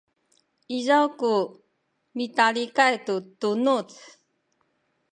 izaw ku mitalikay tu tunuz